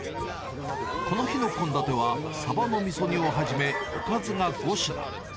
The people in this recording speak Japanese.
この日の献立は、サバのみそ煮をはじめ、おかずが５品。